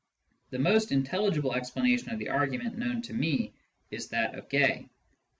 The most intelligible explanation of the argument known to me is that of Gaye.